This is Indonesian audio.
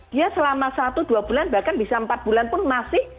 dia selama satu dua bulan bahkan bisa empat bulan pun masih